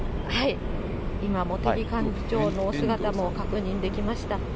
今、茂木幹事長のお姿も確認できました。